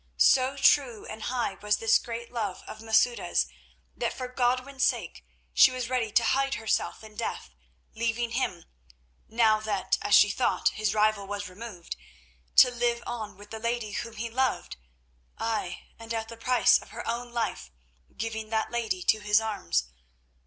So true and high was this great love of Masouda's that for Godwin's sake she was ready to hide herself in death, leaving him—now that, as she thought, his rival was removed—to live on with the lady whom he loved; ay, and at the price of her own life giving that lady to his arms.